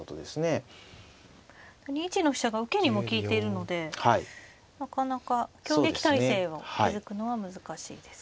２一の飛車が受けにも利いているのでなかなか挟撃態勢を築くのは難しいですか。